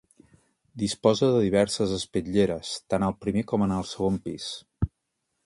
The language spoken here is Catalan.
Disposa de diverses espitlleres, tant al primer com en el segon pis.